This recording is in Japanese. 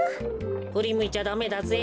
ふりむいちゃダメだぜ。